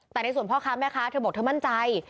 แต่ในส่วนพ่อค้าแม่ค้าเธอบอกเธอมั่นใจ